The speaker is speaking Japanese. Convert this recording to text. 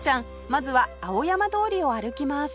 まずは青山通りを歩きます